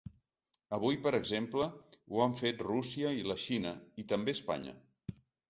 Avui, per exemple ho han fet Rússia i la Xina i també Espanya.